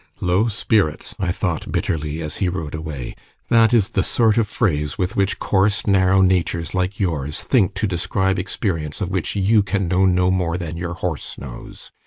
"Low spirits!" I thought bitterly, as he rode away; "that is the sort of phrase with which coarse, narrow natures like yours think to describe experience of which you can know no more than your horse knows.